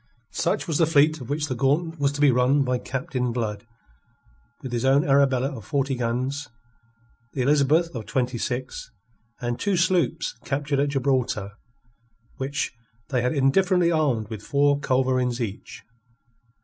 Such was the fleet of which the gauntlet was to be run by Captain Blood with his own Arabella of forty guns, the Elizabeth of twenty six, and two sloops captured at Gibraltar, which they had indifferently armed with four culverins each.